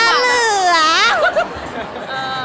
วัฒนฟะและอันนี้สูงสุด